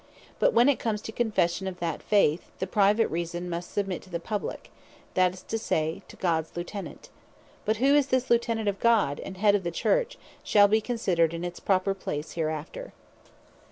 But when it comes to confession of that faith, the Private Reason must submit to the Publique; that is to say, to Gods Lieutenant. But who is this Lieutenant of God, and Head of the Church, shall be considered in its proper place thereafter.